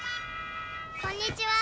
「こんにちは」